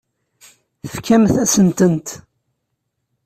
Tefkamt-asen-tent.